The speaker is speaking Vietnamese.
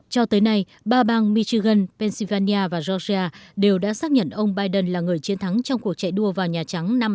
cho tới nay ba bang michigan pennsylvania và georgia đều đã xác nhận ông biden là người chiến thắng trong cuộc chạy đua vào nhà trắng năm hai nghìn một mươi